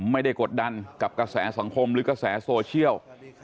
กดดันกับกระแสสังคมหรือกระแสโซเชียล